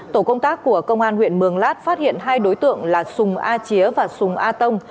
tổ công tác của công an huyện mường lát phát hiện hai đối tượng là sùng a chía và sùng a tông